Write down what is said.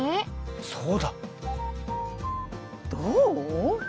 そうだ！どう？